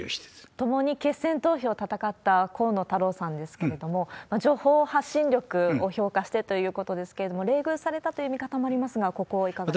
共に決選投票を戦った河野太郎さんですけれども、情報発信力を評価してということですけれども、冷遇されたという見方もありますが、ここ、いかがですか？